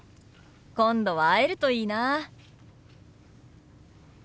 今度は会えるといいな。